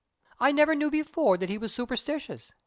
I never knew before that he was superstitious.